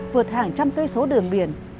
vượt hàng trăm cây số đường biển